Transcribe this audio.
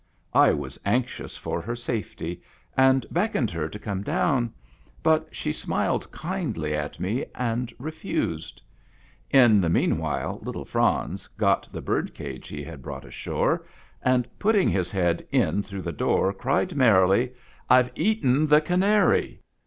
I was anxious for her safety, and beckoned her to come down ; but she smiled kindly at me, and refused. In the mean while little Franz got the bird cage he had brought ashore, and, putting his head in through the door, cried merrily, " I 've eaten the canary!